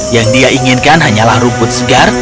yang dia inginkan hanyalah rumput segar